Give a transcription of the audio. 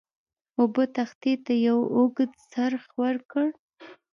اوبو تختې ته یو اوږد څرخ ورکړ.